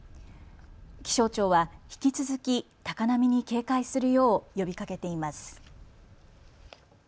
気象庁は引き続き、高波に警戒するよう呼びかけています。